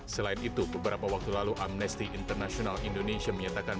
selain itu beberapa waktu lalu amnesty international indonesia menyatakan